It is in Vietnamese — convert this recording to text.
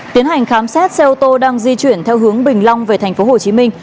tiến hành khám xét xe ô tô đang di chuyển theo hướng bình long về thành phố hồ chí minh